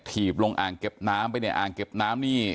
ีบลงอ่างเก็บน้ำไปในอ่างเก็บน้ำนี่